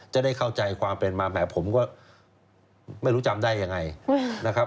จะได้เข้าใจความเป็นมาแหมผมก็ไม่รู้จำได้ยังไงนะครับ